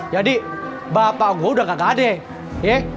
jadi bapak gue udah nggak kadeh ya